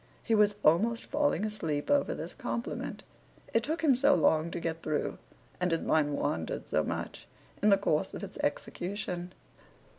He was almost falling asleep over this compliment; it took him so long to get through, and his mind wandered so much in the course of its execution.